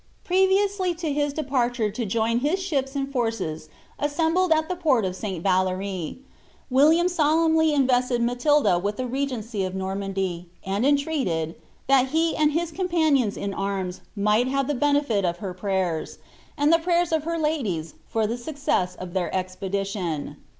rreviously to his departure to join his ships and forcea assembled U the port of St. Vatleri, William solemnly invested Matilda with Ow regency of Normandy, and entreated, " that he and his companions in •rras might have the benefit of her prayers, and the prayerv of her ladies, for the succpes of their expediiion."